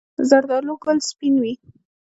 د زردالو ګل سپین وي؟